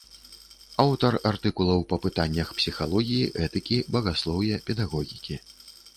Аўтар артыкулаў па пытаннях псіхалогіі, этыкі, багаслоўя, педагогікі.